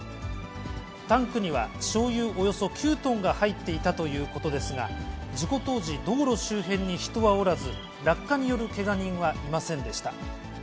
タンクにはしょうゆおよそ９トンが入っていたということですが、事故当時、道路周辺に人はおらず、落下によるけが人はいませんでした。